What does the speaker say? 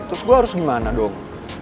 terus gue harus gimana dong